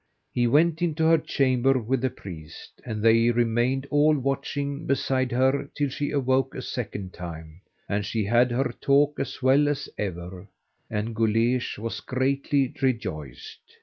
He went into her chamber with the priest, and they remained watching beside her till she awoke the second time, and she had her talk as well as ever, and Guleesh was greatly rejoiced.